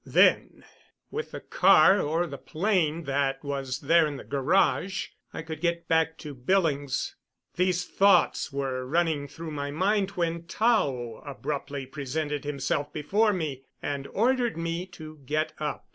Then, with the car or the plane that was there in the garage, I could get back to Billings. These thoughts were running through my mind when Tao abruptly presented himself before me and ordered me to get up.